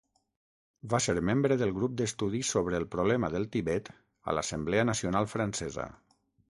Va ser membre del grup d'estudis sobre el problema del Tibet a l'Assemblea Nacional Francesa.